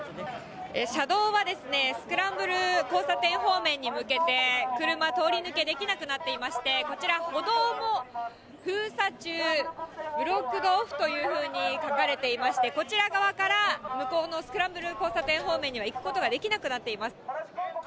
車道はですね、スクランブル交差点方面に向けて車、通り抜けできなくなっていまして、こちら歩道も、封鎖中、ブロックドオフというふうに書かれていまして、こちら側から向こうのスクランブル交差点方面には行くことはできなくなっています。